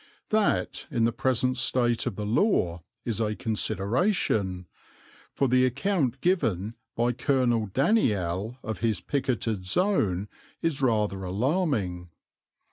That, in the present state of the law, is a consideration, for the account given by Colonel Daniell of his picketed zone is rather alarming.